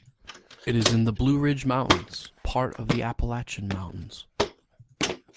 It is in the Blue Ridge Mountains, part of the Appalachian Mountains.